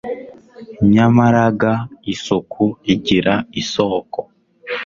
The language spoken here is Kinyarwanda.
nyamara ga isuku igira isoko